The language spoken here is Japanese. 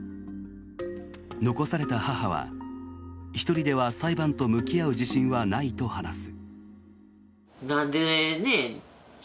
残された母は１人では裁判に向き合う自信はないと話す。